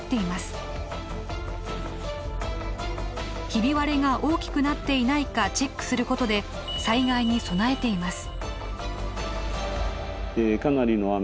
ひび割れが大きくなっていないかチェックすることで災害に備えています。